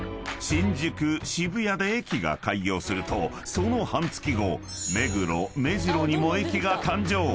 ［新宿渋谷で駅が開業するとその半月後目黒目白にも駅が誕生］